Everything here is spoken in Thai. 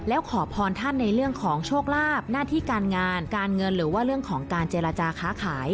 แล้วขอพรท่านในเรื่องของโชคลาภหน้าที่การงานการเงินหรือว่าเรื่องของการเจรจาค้าขาย